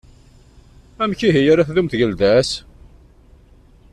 Amek ihi ara tdum tgelda-s?